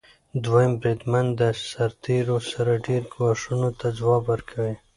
دویم بریدمن د سرتیرو سره ډیری ګواښونو ته ځواب ورکوي.